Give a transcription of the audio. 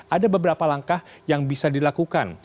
ada beberapa langkah yang bisa dilakukan